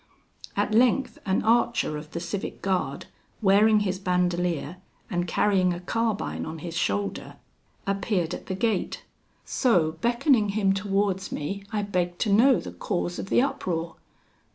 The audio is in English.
At length an archer of the civic guard, wearing his bandolier, and carrying a carbine on his shoulder, appeared at the gate; so, beckoning him towards me, I begged to know the cause of the uproar.